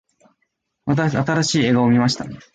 新しい映画を観ました。